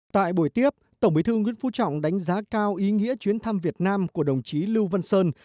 tại buổi tiếp tổng bí thư nguyễn phú trọng đánh giá cao ý nghĩa chuyến thăm việt nam của đồng chí lưu văn sơn